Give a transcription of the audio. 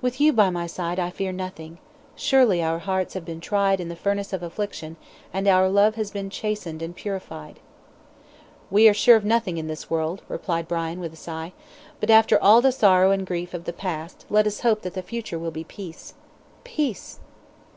"With you by my side, I fear nothing. Surely our hearts have been tried in the furnace of affliction, and our love has been chastened and purified." "We are sure of nothing in this world," replied Brian, with a sigh. "But after all the sorrow and grief of the past, let us hope that the future will be peace." "Peace!"